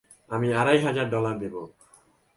আমি আড়াই হাজার ডলার দেব।